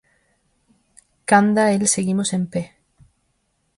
Canda el seguimos en pé.